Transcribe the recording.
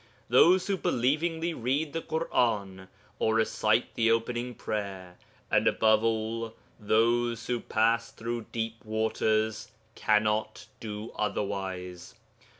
Those who believingly read the Ḳur'an or recite the opening prayer, and above all, those who pass through deep waters, cannot do otherwise.